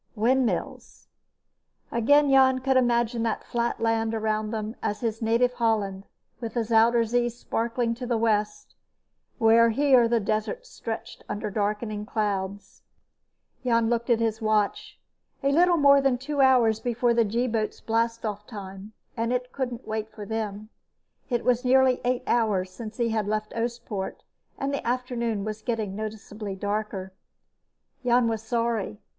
Windmills. Again Jan could imagine the flat land around them as his native Holland, with the Zuider Zee sparkling to the west where here the desert stretched under darkling clouds. Jan looked at his watch. A little more than two hours before the G boat's blastoff time, and it couldn't wait for them. It was nearly eight hours since he had left Oostpoort, and the afternoon was getting noticeably darker. Jan was sorry.